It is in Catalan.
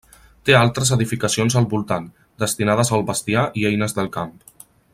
Té altres edificacions al voltant, destinades al bestiar i eines del camp.